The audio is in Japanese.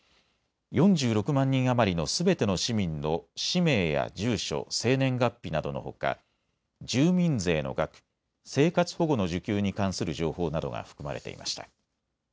４６万人余りのすべての市民の氏名や住所、生年月日などのほか住民税の額、生活保護の受給に関する情報などが含まれていました。